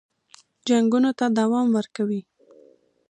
جنګونو ته دوام ورکوي.